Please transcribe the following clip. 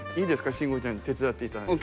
慎吾ちゃんに手伝っていただいて。